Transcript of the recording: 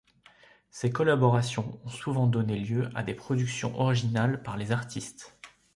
Ces collaborations ont souvent donné lieu à des productions originales par les artistes.